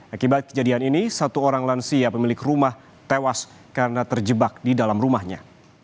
akibat kejadian ini satu orang lansia pemilik rumah tewas karena terjebak di dalam rumahnya